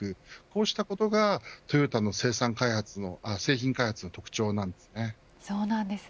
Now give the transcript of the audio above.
こうしたことがトヨタの製品開発の特徴です。